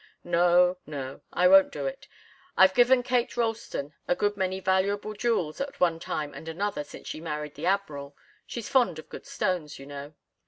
No, no! I won't do it. I've given Kate Ralston a good many valuable jewels at one time and another since she married the Admiral she's fond of good stones, you know.